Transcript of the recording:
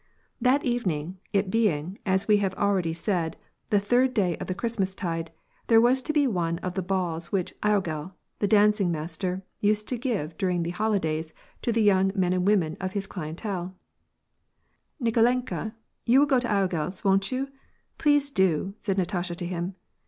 That evening, it being, as we have already said, the third day of the Christmastide, there was to be one of the balls which logel, the dancing master, used to give during the holi days to the young men and women of his clientele, "Nikolenla, you will go to logel's, won't you ? Please do!" said Natasha to him.